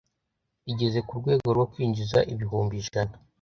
rigeze ku rwego rwo kwinjiza ibihumbi ijana